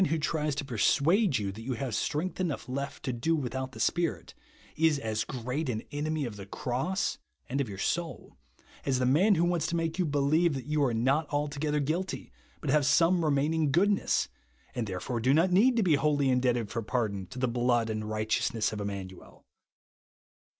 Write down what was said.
wlio tries to persuade you that you havo strength enough left to do without the Spirit, is as great an enemy of the cross, and of your soul, as the man who wants to make you believe that you are not alto gether guilty, but have some remaining goodness, and therefore do not need to be wholly indebted for pardon to the blood and righteousness of Immanuel.